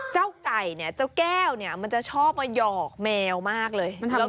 เจ้าไก่เจ้าแก้วมันจะชอบมาหยอกแมวมากเลย